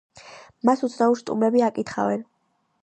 მას უცნაური სტუმრები აკითხავენ.